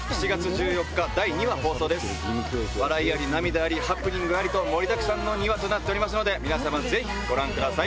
笑いあり涙ありハプニングありと盛りだくさんの２話ですので皆さまぜひご覧ください。